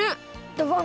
ドボン！